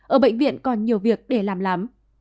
ở bệnh viện còn nhiều việc để làm lắm